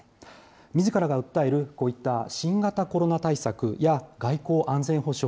みずからが訴える、こういった新型コロナ対策や外交・安全保障。